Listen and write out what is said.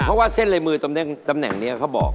เพราะว่าเส้นลายมือตำแหน่งนี้เขาบอก